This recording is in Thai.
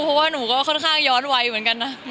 กูว่ากูก็ค่อนข้างย้อนไวเหมือนกันนะ